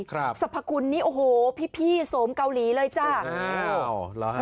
ครับสรรพคุณนี่โอ้โหพี่โสมเกาหลีเลยจ้าอ้าวหรอฮะ